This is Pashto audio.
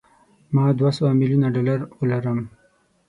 ما دوه سوه میلیونه ډالره ولرم.